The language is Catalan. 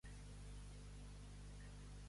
—Ai! —Cebes amb tall!